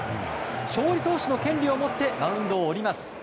勝利投手の権利を持ってマウンドを降ります。